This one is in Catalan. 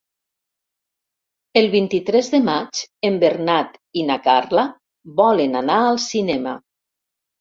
El vint-i-tres de maig en Bernat i na Carla volen anar al cinema.